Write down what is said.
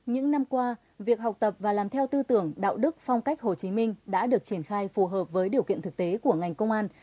những năm qua việc học tập và làm theo tư tưởng đạo đức phong cách hồ chí minh đã được triển khai phù hợp với điều kiện thực tế của ngành công an